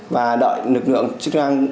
và đợi lực lượng chức năng